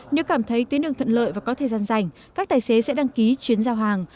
nếu cảm thấy tuyến đường thuận lợi và có thời gian dành các tài xế sẽ đăng ký chuyến giao hàng